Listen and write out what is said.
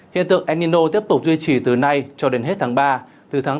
hiện tượng enino tiếp tục duy trì từ nay cho đến hết tháng ba